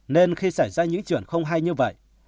nên khi xảy ra những chuyện không hay như vậy